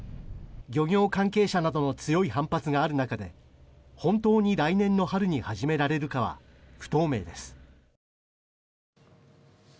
漁業関係者などの強い反発がある中で本当に来年の春に始められるかは不透明です。